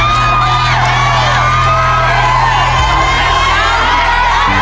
สวัสดีครับ